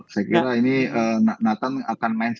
saya kira ini nathan akan main